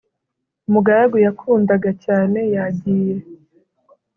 umugaragu yakundaga cyane yagiye